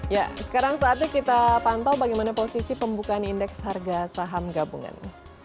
ya sekarang saatnya kita pantau bagaimana posisi pembukaan indeks harga saham gabungan